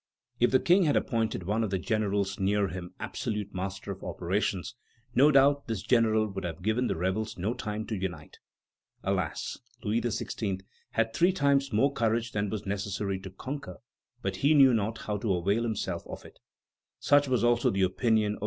If the King had appointed one of the generals near him absolute master of operations, no doubt this general would have given the rebels no time to unite.... Alas! Louis XVI. had three times more courage than was necessary to conquer, but he knew not how to avail himself of it." Such also was the opinion of M.